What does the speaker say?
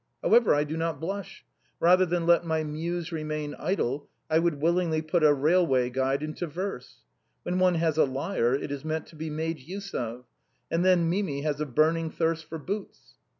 However, I do not blush; rather than let my 208 THE BOHEMIANS OF THE LATIN QUARTER. muse remain idle, I would willingly put a railway guide into verse. When one has a lyre it is meant to be made use of. And then Mimi has a burning thirst for boots."